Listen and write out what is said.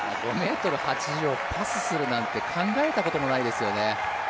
５ｍ８０をパスするなんて考えたこともないですよね、